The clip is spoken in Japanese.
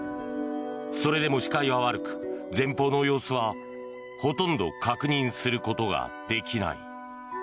それでも視界が悪く前方の様子はほとんど確認することができない。